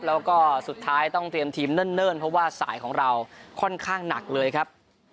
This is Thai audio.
แล้วก็สุดท้ายต้องเตรียมทีมเนิ่นเพราะว่าสายของเราค่อนข้างหนักเลยครับ